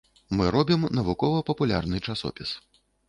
Мы робім навукова-папулярны часопіс.